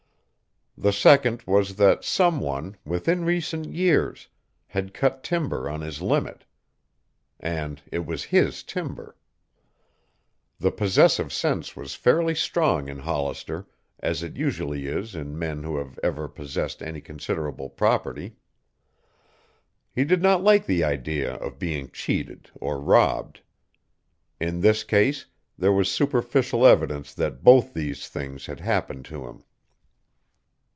The second was that someone, within recent years, had cut timber on his limit. And it was his timber. The possessive sense was fairly strong in Hollister, as it usually is in men who have ever possessed any considerable property. He did not like the idea of being cheated or robbed. In this case there was superficial evidence that both these things had happened to him.